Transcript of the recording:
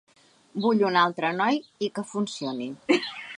Vull un altre noi i que funcioni.